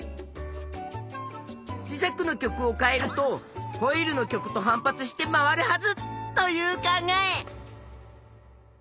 磁石の極を変えるとコイルの極と反発して回るはずという考え。